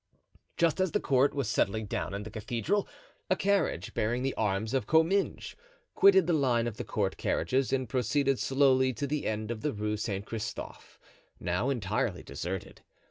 Just as the court was settling down in the cathedral, a carriage, bearing the arms of Comminges, quitted the line of the court carriages and proceeded slowly to the end of the Rue Saint Christophe, now entirely deserted.